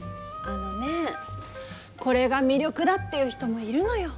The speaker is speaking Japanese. あのねこれが魅力だって言う人もいるのよ。